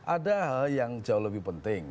ada hal yang jauh lebih penting